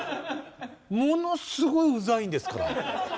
ものすごいウザいんですから。